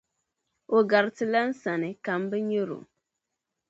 o garitila n sani, ka m bi nyari o.